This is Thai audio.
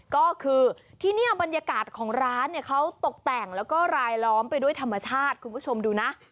ก็คือที่นี่บรรยากาศของร้านเนี่ยเขาตกแต่งแล้วก็รายล้อมไปด้วยธรรมชาติคุณผู้ชมดูนะ